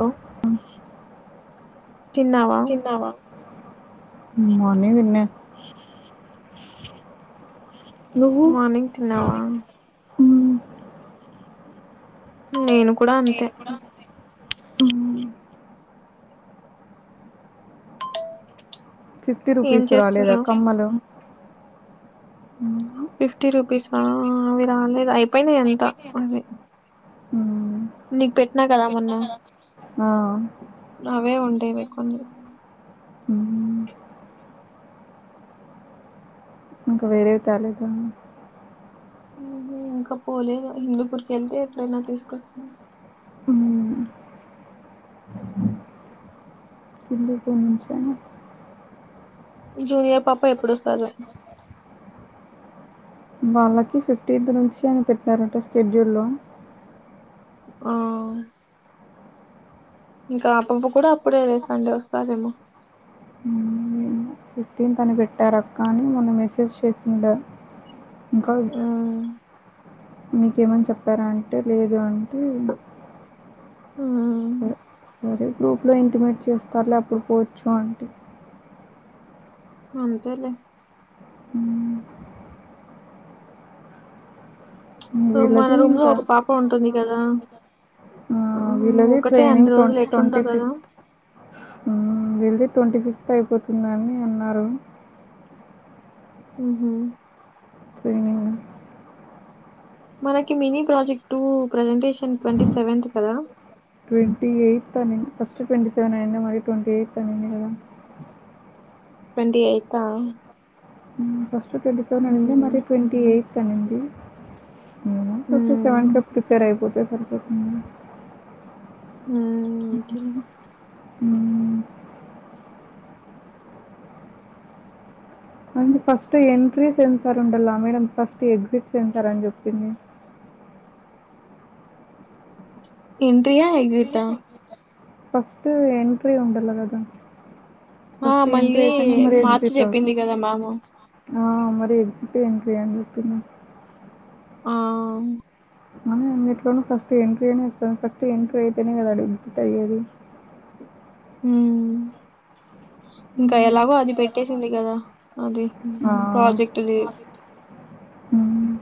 Hello తిన్నావా morning తిన్న నువ్వు మార్నింగ్ తిన్నావా నేను కూడా అంతే నేను కూడా ఉంతా [unintelligible] ఫిఫ్టీ ఏం రూపీస్ రాలేదా చేస్తున్నావు కమ్మలు మ్మ్. ఫిఫ్టీ రూపీస్ఆ అవి రాలేదు అయిపోయినాయి అంత అవి నీకు పెట్టినా కదా మొన్న ఆ అవే ఉంటాయి ఎక్కువ అన్ని మ్మ్. ఇంకా వేరేవి తెలదు ఉహు ఇంకా పోలేదు హిందుపురికి వెళ్తే ఎప్పుడైనా తీసుకొస్త మ్మ్. హిందూపూరి నుంచ జూనియర్ పాప ఎప్పుడు వస్తారు వాళ్ళకి ఫిఫ్టీన్త్ నుంచి అని పెట్టరట షెడ్యూల్ లో ఆ ఇంకా ఆపపు కూడా అప్పుడే సండే వస్తారేమో ఫిఫ్టీన్తని పెట్టారు అక్క అని మొన్న మెసేజ్ చేసిండ ఇంకా మ్మ్ మీకేమని చెప్పారా అంటే లేదు అంటే ఆ సరే గ్రూప్లో ఇంటిమేట్ చేస్తారులే అప్పుడు పోవచ్చు అంటే అ చేయలే మ్మ్. మన వీళ్ళది రూమ్ లో ఇంకా ఒక పాప ఉంటుంది కదా ఆ వీళ్ళది ఒకతే అన్ని ట్రైనింగ్ ట్వం రోజులు ఎట్లుందా ట్వంటీ కదా వెళ్లి ట్వంటీ ఫిఫ్త్ అయిపోతుందని అన్నారు ఉహు ట్రేనిగ్ మనకి mini project presentation twenty seventh కదా ట్వంటీ ఎయిట్త్న్ని ఫస్ట్వంట [unintelligible] సెవెన్ అయనాంది టట్వంట ఎయిథద ట్వంటీయాయితా ఫస్ట్ ట్వంటీ సెవెన్ అనింది హ్మ్. మరి ట్వంటీ ఎయిత్ అనింది మేము హ్మ్. ప్ర ప్రపర్ యిపోతే స హ్మ్. ఓకేలే. [unintelligible] ఉమ్ అే ఫస్ట్ ఎంట్రీ సెంటారు ఉండాల మేడ ఫస్ట్ ఎగ్జిట్ సెంటార అని చెప్పింది [unintelligible] ఎంట్రీయా ఎగ్జిటా? ఫస్ట్ ఎంట్రీ ఉండల కదా ఆ! ఫస్ట్ ఎంట్రీ మళ్ళీ అయితేనే మరి మార్చి ఎగ్జిట్ చెప్పింది కదా ఆవుతది మ్యామ్. ఆ మరి ఎగ్జిట్, ఎంట్రీ అని చెప్పింది ఆ అ అన్నిట్లోను ఫస్ట్ ఎంట్రీ అనే ఇస్తుంది ఫస్ట్ ఎంట్రీ అయితేనే కదా అడుగు అయ్యేది ఉ ఇంకా ఎలాగో అది పెట్టేసింది కదా అది ఆ ప్రాజెక్ట్ది ఉమ్,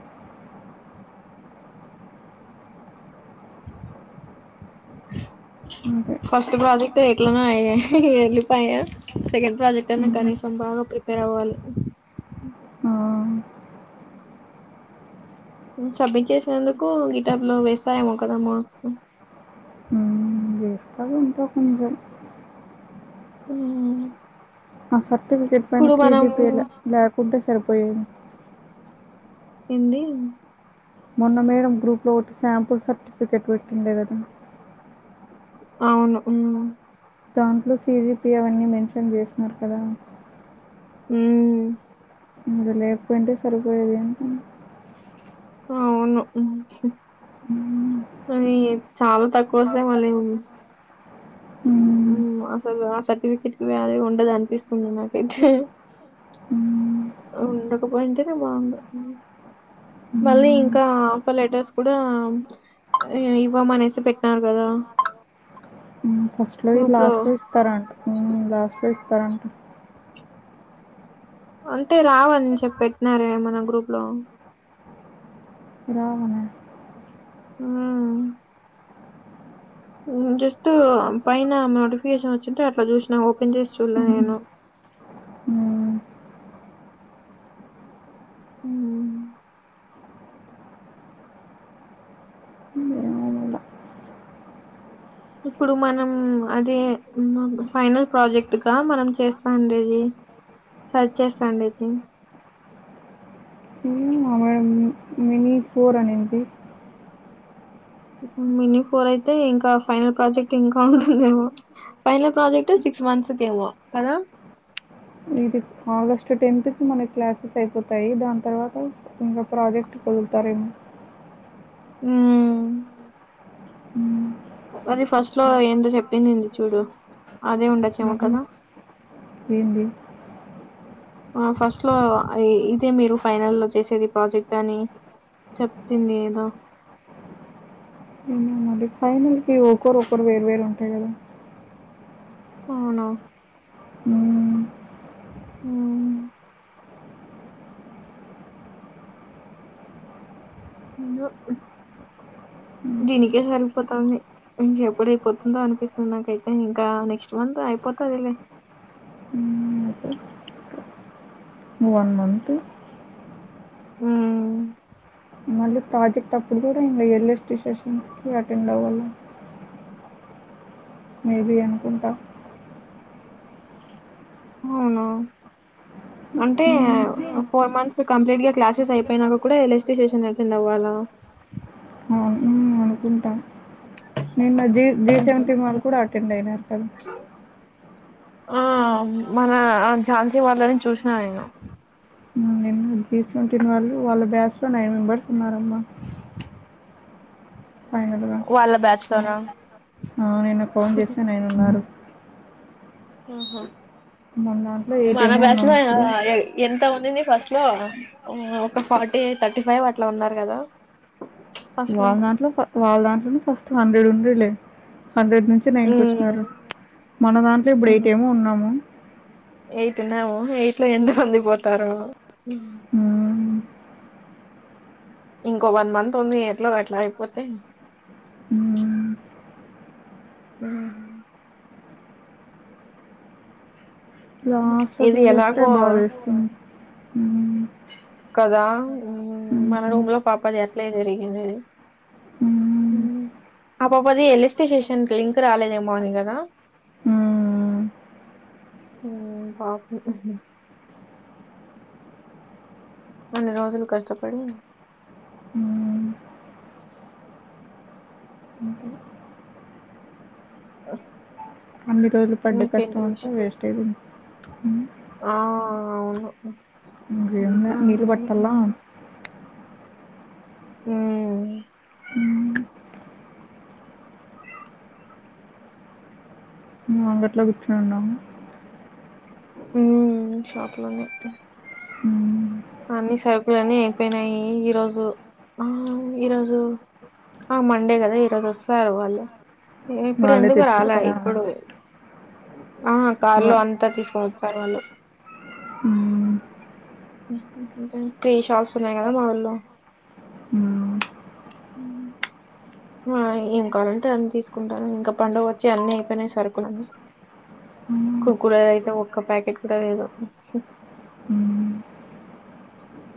అంతే ఫస్ట్ ప్రజెక్ట్ ఎట్లోనో అయ్యే వెళ్లిపాయ సెకండ్ ప్రాజెక్ట్ అన్నా కనీసం బాగా ప్రిపేర్ అవ్వాలి ఆ, సబ్మిట్ చేసినందుకు గిటాబ్ లో వేస్తాయమో కదా మార్క్స్ అదేంటో [unintelligible] ముందు ఉ ఆ సర్టిఫికెట్ పైన మనము సీజీపీలా లేకుంటేలే సరిపోయేది ఏంది మొన్న మేడం గ్రూప్ లో ఒకటి శాంపుల్ సర్టిఫికేట్ పెట్టిండే కదా అవును ఉమ్ దాంట్లో సజీపి అవన్నీ మెన్షన్ చేసినారు కదా ఉ ఇంగా లేకపోయి ఉంటే సరిపోయేది ఏంటి అవును మ్మ్. కానీ చాలా తక్కువ వస్తాయి మళ్ళీ ఉ ఉమ్ అసలు ఆ సర్టిఫికెట్ వ్యాల్యూ ఉండదు అనిపిస్తుంది నాకైతే మ్మ్. ఉండకపోయింటేనే బాగుండు మళ్ళీ మ్మ్. ఇంకా ఆఫర్ లెటర్స్ కూడా ఇవ్వమనేసి పెట్టినారు కదా ఫస్ట్ లో లాస్ట్ లో ఇస్తారంట ఉమ్ లాస్ట్ లో ఇస్తారంట అంటే రావని చెప్పి పెట్టినారేమన గ్రూప్ లో రావణ ఆ జస్ట్ పైన నోటిఫికేషన్ వచ్చింటే అట్లా చూసినా ఓపెన్ చేసి చూలే నేను మ్మ్. ఆ ఏమో మల్ల ఇప్పుడు మనం అదే ఫైనల్ ప్రాజెక్టుక మనం చేస్తాండేది సర్చ్ చేస్తాండేది మ మ [unintelligible] ఫోర్ అనింది మినీ ఫోర్ అయితే ఇంకా ఫైనల్ ప్రాజెక్ట్ ఇంకా ఉంటుందేమో ఫైన ప్రాజెక్ట్ సిక్స్ మంత్స్ ఏమో ఇది ఆగస్ట్ టెన్త్ కి మన క్లాసెస్ అయిపోతాయి దాని తర్వాత ఇంకా ప్రాజెక్ట్ కి వదులుతారేమో ఆ హ్మ్. అది ఫస్ట్ లో ఏందో చెప్పిందింది చూడు అదే అవును. ఉండొచ్చేమో కదా ఏమో ఏంది ఫస్ట్ లో ఇదే మీరు ఫైనల్ లో చేసేది ప్రాజెక్ట్ అని చెప్తుంది ఏదో ఉమ్ అదే ఫైనల్ కి ఒకరు ఒక్కొక్కరు వేరు వేరు ఉంటాయి కదా అవును హ్మ్. ఆ ఏందో హుహు. దీనికే సరిపోతాంది ఇంజ్ ఎప్పుడు అయిపోతుందో అనిపిస్తుంది నాకైతే ఇంకా నెక్స్ట్ మంత్ అయిపోతాదిలే హ్మ్. వన్ మంతు ఉ మళ్ళీ ప్రాజెక్ట్ అప్పుడు కూడా ఇంకా ఎల్ఎస్టి సెషన్కి అటెండ్ అవ్వాలం మేబి అనుకుంటా అవున హ్ అంటే ఫోర్ మంత్స్ కంప్లీట్ గా క్లాసెస్ అయిపోయినాక కూడా ఎలాస్టి సేషన్ అటెండ్ అవ్వాలా ఆ నిన్న జీ జీ సెవెంటీ మాల్ కూడా అటెండ్ అయినారు కదా ఆ మన ఆ ఝాన్సీ వాళ్ళని చూసిన నేను హ్ జీ సెవంటీ వాళ్ళు వాళ్ళ బ్యాసచ్ లో నైన్ మెంబర్స్ ఉన్నారమ్మా ఫైనల్గా వాల్ల బ్యాచ్ లోన నేను ఫోన్ చేస్తే నేను ఉన్నారు ఆహ మన దాంట్లో ఎయిట్ మన ఏమో బ్యాచ్ ఉన్నాం లో ఇప్పుడు అయి ఎంత ఉండింది ఫస్ట్ లో ఒక ఫార్టీ థర్టీ ఫైవ్ అట్లా ఉన్నారు కదా ఫస్ట్‌లో. వాళ్ళ దాంట్లో వాళ్ళ దాంట్లోనే ఫస్ట్ హండ్రెడ్ ఉండేలే హండ్రెడ్ నుంచి నైన్కి వచ్చినారు హ్మ్. మన దాంట్లో బ్రైట్ ఏమో ఉన్నాము ఎయిట్ ఉన్నాము ఎయిట్ లో ఎంత మంది పోతారు ఇంకో వన్ మంత్ ఉంది. ఎట్లో అట్లా అయిపోతే హ్ హాస్టల్ ఇది తీసేస్తే ఎలాగో బాదా ఏస్తుంది. కదా మన రూమ్ లో పాపది ఆట్లే జరిగింది హ్మ్. హ్ ఆ పాపది ఎల్ ఏస్టి స్టేషన్ కి లింక్ రాలేదేమో అని కదా ఆ కోపం ఇన్ని రోజులు కష్టపడి హ్మ్. అంతే. ఆ అన్ని రోజులు పడ్డ కష్టం అంతా వేస్ట్ అయితుంది ఆ అవును అ అది కూడా నీరు నిజమే పట్టల్ల హ్ అంగట్లో కూర్చుని ఉన్నాము హ్ షాపులోనే హ్మ్. అన్ని సరుకులన్ని అయిపోయినాయి ఈరోజు ఈరోజు ఆ మండే కదా ఈ రోజు వస్తారు వాళ్ళు ఇప్పుడు వాళ్ళే ఎందుకు రాలే తెచ్చిస్తారా ఇప్పుడు ఆ కార్లో వా- అంతా తీసుక పోతారు వాళ్ళు మ్మ్. త్రీ షాప్స్ ఉన్నాయి కదా మా ఊల్లో మ్మ్. ఉమ్. ఏం కావాలంటే అన్ని తీసుకుంటాను. ఇంకా పండుగ వచ్చి అన్ని అయిపోయినాయి సరుకులు అన్ని కుర్ కుర్ కురే అయితే ఒక్క ప్యాకెట్ కూడా లేదు మ్మ్.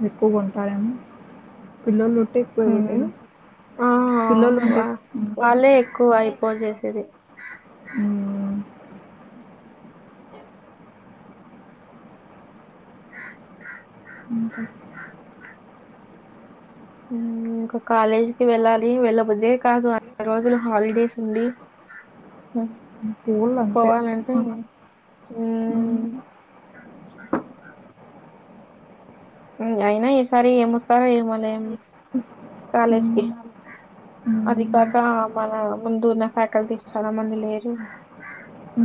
ఎక్కువగా ఉంటారేమే పిల్లోళ్ళు ఉంటే పోయిపోతాయి ఉమ్. పిల్లోలు ఉంటే ఎక్కువయి పో చేసిది మ్మ్. ఇంకా ఇంకా కాలేజ్కి వెళ్ళాలి వెళ్ళబుద్దే కాదు అన్ని రోజులు హాలిడేస్ ఉండి. పూలు అంతే పోవాలీ అంటె హు మ్మ్. అయినా ఏ సారి ఏం వస్తారు ఏమోలే కాలేజ్కి హ్మ్. అది హ్మ్. కాక మన ముందు ఉన్న ఫ్యాకల్టీస్ చాలా మంది లేరు ఉ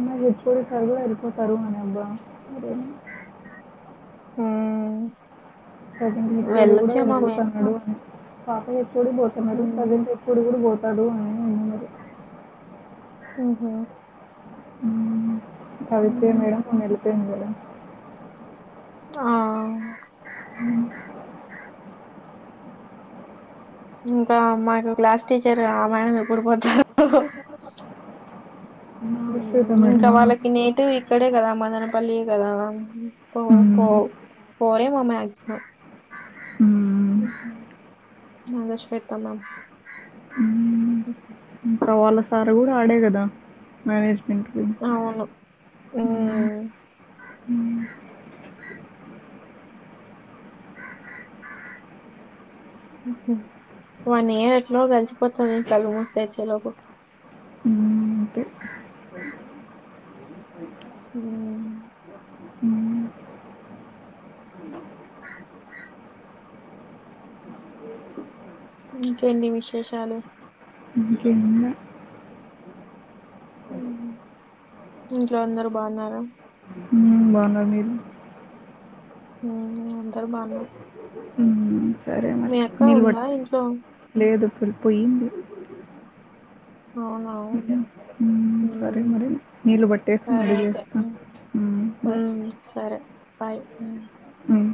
న్న హెట్ సారు కూడా ఇ తరువా అని అబ్బా హ ప్రజెంట్ ఎప్పుడ కూడా మేము వెలిపోతన్నాడు అని పాప ఎప్పుడు పోతున్నాడు ఉమ్. ప్రజెంట్ ఎప్పుడు కూడా పోతు పడువునే అన్నరి ఓహో కవితే మేడం ఉమ్. మొన్న ఎలిపేంది కద ఆ అ ఇంకా మాకు క్లాస్ టీచర్ మేడం ఎప్పుడు పోతారు నాగశ్వేత ఇంకా మేడమా? వాళ్ళకి నేటివ్ ఇక్కడ కదా మదనపల్లి కదా కో కో హ్మ్. పోరేమో మాక్సిమం హ్మ్. నాగేశ్వేత మామ్ కా వాళ్ళ సార్ కూడా ఆడే కదా మేనేజ్మెంట్కి అవును హ్మ్. హ వన్ ఇయర్ ఏట్లో కలిసిపోతది కళ్ళు మూసి తెరిచే లోపు మ్మ్, అంతే ఉ మ్మ్, ఇంకేడి విశేషాలు ఇంకేం లే ఇంట్లో అందరు బాగున్నార బాగున్నారు మీరు ఉ అందరు బాగున్నం మ్మ్, సరే మీ మరి అక్క నిలబ ఉందా ఇంట్లో లేదు పుల్ పొయ్యింది అవున మ్మ్, ఉ సరే మరి నీళ్ళు పట్టేసి సరే మళ్ళీ అయితే చేస్తాను ఉమ్ సరే బాయ్ బాయ్